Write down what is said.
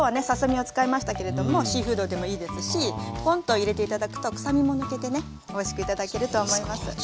ささ身を使いましたけれどもシーフードでもいいですしぽんと入れて頂くと臭みも抜けてねおいしく頂けると思います。